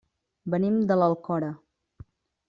Venim de l'Alcora.